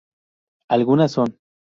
Algunas son